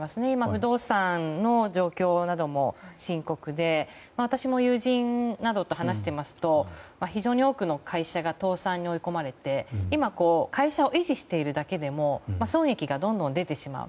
不動産の状況も深刻で私も友人などと話していますと非常に多くの会社が倒産に追い込まれて今、会社を維持しているだけでも損益がどんどん出てしまう。